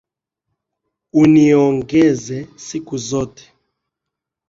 Uniongeze siku zote.